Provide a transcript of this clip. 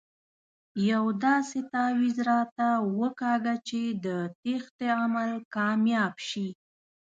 یو داسې تاویز راته وکاږه چې د تېښتې عمل کامیاب شي.